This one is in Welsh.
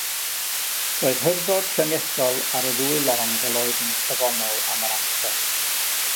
Roedd hyrddod llyngesol ar y ddwy long fel oedd yn safonol am yr amser.